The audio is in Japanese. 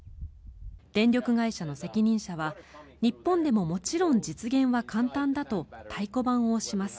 電力会社の責任者は、日本でももちろん実現は簡単だと太鼓判を押します。